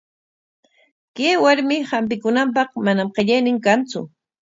Kay warmi hampikunanpaq manam qillaynin kantsu.